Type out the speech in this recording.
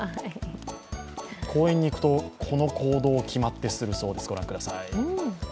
公園に行くとこの行動を決まってするそうです。